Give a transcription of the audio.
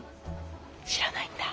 知らないんだ。